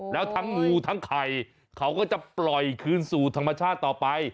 แล้วทั้งงูทั้งไข่เขาก็จะปล่อยคืนสู่ธรรมชาติต่อไป